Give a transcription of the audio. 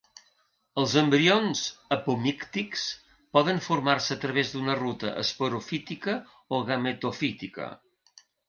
Els embrions apomíctics poden formar-se a través d’una ruta esporofítica o gametofítica.